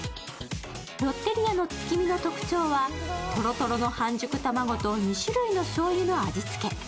ロッテリアの月見の特徴はとろとろの半熟卵と２種類のしょうゆの味付け。